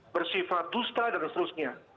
bersifat dusta dan seterusnya